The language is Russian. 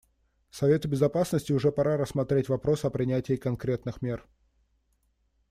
Совету Безопасности уже пора рассмотреть вопрос о принятии конкретных мер.